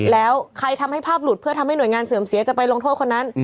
แล้วใครทำให้ภาพหลุดเพื่อทำให้หน่วยงานเสื่อมเสียจะไปลงโทษคนนั้น